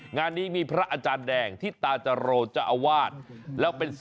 งานนี้มีพระอาจารย์แดงที่ตาจรโรจอาวาส